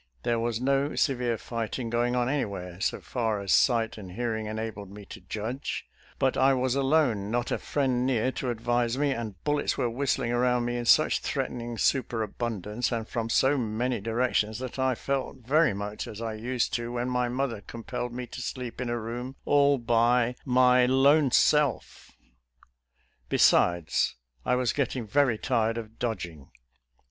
There was no severe fighting going on anywhere, so far as sight and hearing enabled me to judge, but I was alone, not a friend near to advise me, and bullets were whistling around me in such threatening super abundance and from so many directions, that I felt very much as I used to when my mother com pelled me to sleep in a room all by " my lone self." Besides, I was getting yery tired of dodg ing.